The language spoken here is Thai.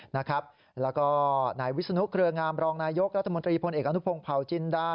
แล้วก็นายวิศนุเครืองามรองนายกรัฐมนตรีพลเอกอนุพงศ์เผาจินดา